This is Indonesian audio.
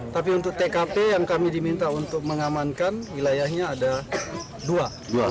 tapi untuk tkp yang kami diminta untuk mengamankan wilayahnya ada dua